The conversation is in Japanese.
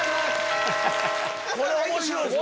これ面白いっすね。